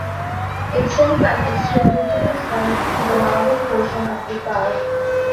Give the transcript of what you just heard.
Itself and its tributaries run through the northern portion of the park.